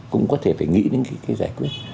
cũng có thể phải nghĩ đến cái giải quyết